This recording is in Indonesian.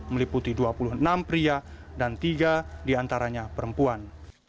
meliputi dua puluh enam pria dan tiga diantaranya perempuan